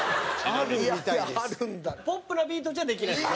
有吉：ポップなビートじゃできないでしょ？